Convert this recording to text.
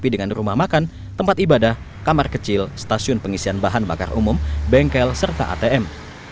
di badah kamar kecil stasiun pengisian bahan bakar umum bengkel serta atm